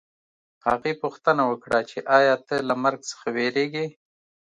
هغې پوښتنه وکړه چې ایا ته له مرګ څخه وېرېږې